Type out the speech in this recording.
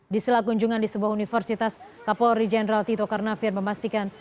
di sela kunjungan di sebuah universitas kapolri jenderal tito karnavian memastikan